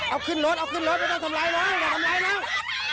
เอาขึ้นรถไม่ต้องทำร้ายน้อง